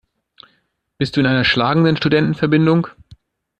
Bist du in einer schlagenden Studentenverbindung?